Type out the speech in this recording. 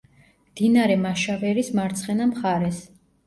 მდინარე მაშავერის მარცხენა მხარეს.